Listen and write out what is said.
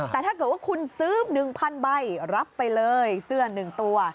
แต่ถ้าเกิดว่าคุณซื้อ๑๐๐๐ใบรับไปเลยเสื้อ๑ตัว